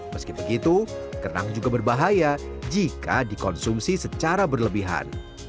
meski begitu kenang juga berbahaya jika dikonsumsi secara berlebihan